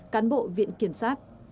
cán bộ viễn kiểm sát